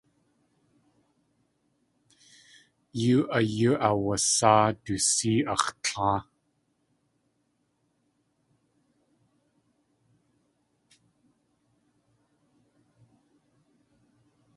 Yóo áyú aawasáa du sée ax̲ tláa.